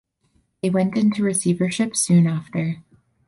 They went into receivership soon after.